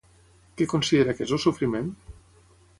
Què considera que és el sofriment?